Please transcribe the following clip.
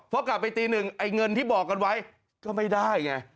พอกลับไปตีหนึ่งไอ้เงินที่บอกกันไว้ก็ไม่ได้ไง